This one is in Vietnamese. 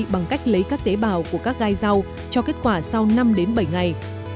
bằng cách lấy các tế bào của các gai rau cho kết quả sau năm đến bảy ngày